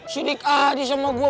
sidik ahadis sama gua